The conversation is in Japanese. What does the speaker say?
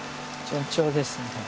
順調ですね。